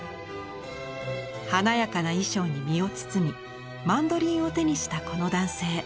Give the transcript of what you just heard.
華やかな衣装に身を包みマンドリンを手にしたこの男性。